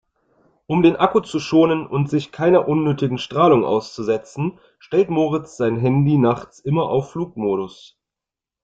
Um den Akku zu schonen und sich keiner unnötigen Strahlung auszusetzen, stellt Moritz sein Handy nachts immer auf Flugmodus.